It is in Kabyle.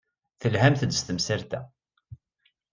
Telhamt-d s temsalt-a.